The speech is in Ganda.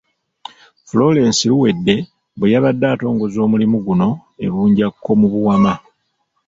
Florence Luwedde, bwe yabadde atongoza omulimu guno e Bunjakko mu Buwama